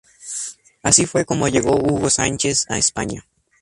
Así fue como llegó Hugo Sánchez a España.